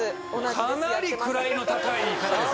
かなり位の高い方です